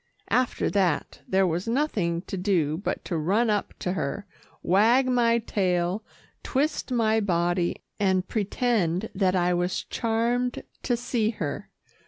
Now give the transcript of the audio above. After that, there was nothing to do but to run up to her, wag my tail, twist my body, and pretend that I was charmed to see her.